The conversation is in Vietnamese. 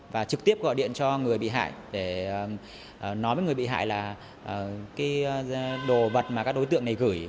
và trực tiếp gọi điện cho người bị hại để nói với người bị hại là cái đồ vật mà các đối tượng này gửi